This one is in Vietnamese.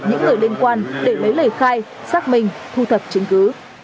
những người liên quan để lấy lời khai xác minh thu thập chứng cứ